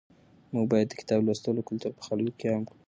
موږ باید د کتاب لوستلو کلتور په خلکو کې عام کړو.